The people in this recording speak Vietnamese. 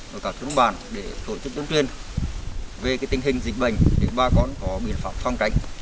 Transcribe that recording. và các trung bản để tổ chức tuyên truyền